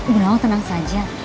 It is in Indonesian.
bu nawang tenang saja